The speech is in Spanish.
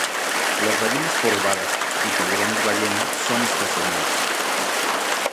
Las ballenas jorobadas y tiburones ballena son estacionales.